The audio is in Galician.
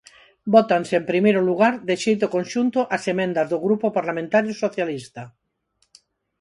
Vótanse, en primeiro lugar, de xeito conxunto as emendas do Grupo Parlamentario Socialista.